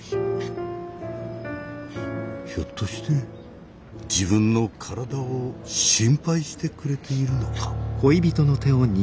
ひょっとして自分の体を心配してくれているのか？